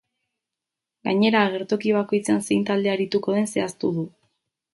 Gainera, agertoki bakoitzean zein talde arituko den zehaztu du.